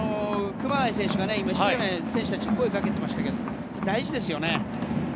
熊谷選手が、守備の選手たちに声をかけてましたけど大事ですよね。